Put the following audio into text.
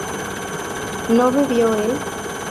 ¿no bebió él?